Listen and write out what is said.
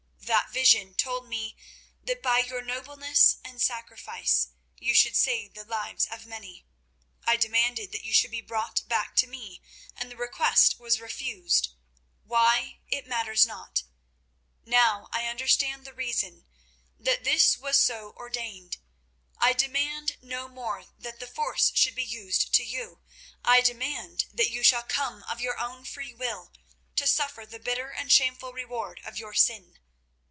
That vision told me that by your nobleness and sacrifice you should save the lives of many. I demanded that you should be brought back to me, and the request was refused—why, it matters not. Now I understand the reason—that this was so ordained. I demand no more that force should be used to you. I demand that you shall come of your own free will, to suffer the bitter and shameful reward of your sin.